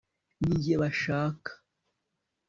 ninjye bashaka